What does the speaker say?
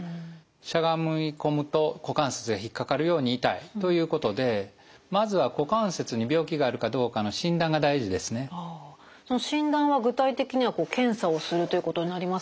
しゃがみ込むと股関節が引っ掛かるように痛いということでその診断は具体的には検査をするということになりますか？